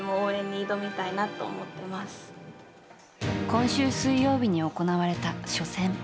今週水曜日に行われた初戦。